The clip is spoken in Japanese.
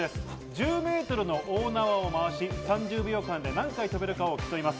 １０ｍの大縄を回し、３０秒間で何回跳べるかを競います。